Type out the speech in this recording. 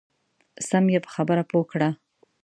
سم یې په خبره پوه کړه.